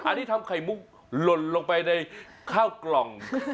อันนี้ทำไข่มุกหล่นลงไปในข้าวกล่อง